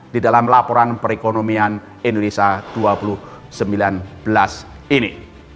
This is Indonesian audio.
di dalam laporan perekonomian indonesia dua ribu sembilan belas ini